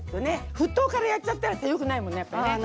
沸騰からやっちゃったらさよくないもんねやっぱね。